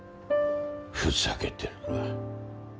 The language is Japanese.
ふざけてるな。